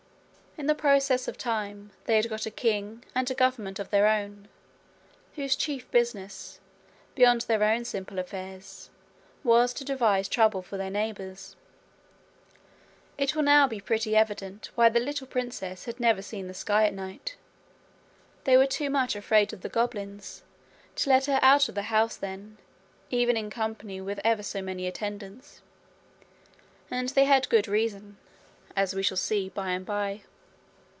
In the process of time they had got a king and a government of their own, whose chief business, beyond their own simple affairs, was to devise trouble for their neighbours. It will now be pretty evident why the little princess had never seen the sky at night. They were much too afraid of the goblins to let her out of the house then, even in company with ever so many attendants; and they had good reason, as we shall see by and by.